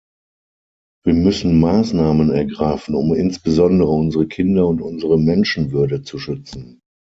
Wir müssen Maßnahmen ergreifen, um insbesondere unsere Kinder und unsere Menschenwürde zu schützen.